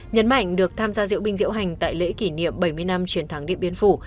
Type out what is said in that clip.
nhấn mạnh được tham gia diễu binh diễu hành tại lễ kỷ niệm bảy mươi năm chiến thắng điện biên phủ